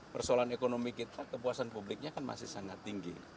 persoalan ekonomi kita kepuasan publiknya kan masih sangat tinggi